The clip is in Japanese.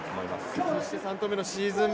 そして３投目のシーズン